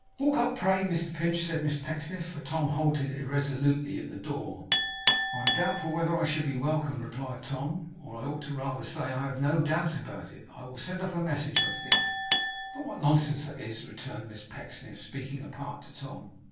'Walk up, pray, Mr Pinch,' said Miss Pecksniff. For Tom halted, irresolutely, at the door. 'I am doubtful whether I should be welcome,' replied Tom, 'or, I ought rather to say, I have no doubt about it. I will send up a message, I think.' 'But what nonsense that is!' returned Miss Pecksniff, speaking apart to Tom.